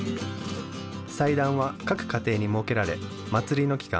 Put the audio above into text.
祭壇は各家庭に設けられ祭りの期間